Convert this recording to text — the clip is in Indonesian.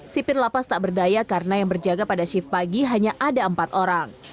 sipir lapas tak berdaya karena yang berjaga pada shift pagi hanya ada empat orang